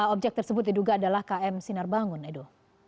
objek tersebut diduga adalah km sinar bangun edo